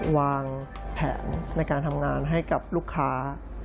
วางแผนในการทำงานให้กับลูกค้า